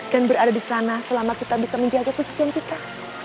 dan berada di sana selama kita bisa menjaga kesucian kita